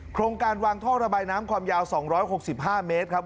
โครงการวางท่อระบายน้ำความยาว๒๖๕เมตรครับ